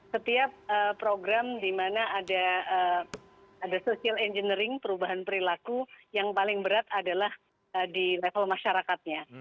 setiap program di mana ada social engineering perubahan perilaku yang paling berat adalah di level masyarakatnya